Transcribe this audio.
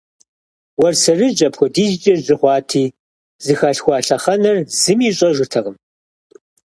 Уэрсэрыжь апхуэдизкӀэ жьы хъуати, зыхалъхуа лъэхъэнэр зыми ищӀэжыртэкъым.